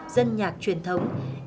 dân nhạc truyền thông dân tộc lự la hủ